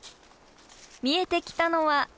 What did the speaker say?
見えてきたのは。